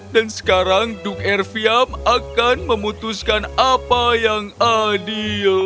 dan sekarang duk erfiam akan memutuskan apa yang adil